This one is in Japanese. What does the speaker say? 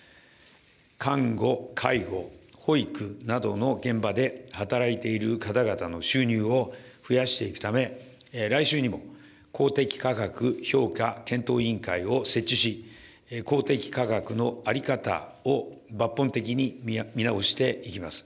看護、介護、保育などの現場で働いている方々の収入を増やしていくため、来週にも公的価格評価検討委員会を設置し、公的価格の在り方を抜本的に見直していきます。